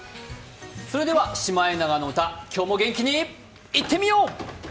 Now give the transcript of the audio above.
それでは「シマエナガの歌」今日も元気に、いってみよう！